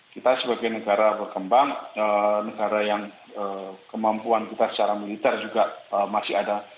kita sebagai negara berkembang negara yang kemampuan kita secara militer juga masih ada